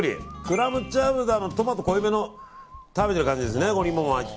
クラムチャウダーのトマト濃いめのを食べてる感じですね。